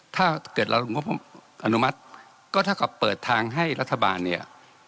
ถ้าเกิดเรางบอนุมัติก็เท่ากับเปิดทางให้รัฐบาลเนี่ย